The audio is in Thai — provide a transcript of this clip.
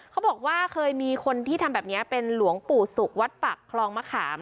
เขาบอกว่าเคยมีคนที่ทำแบบนี้เป็นหลวงปู่ศุกร์วัดปักคลองมะขาม